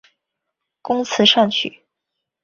工词善曲。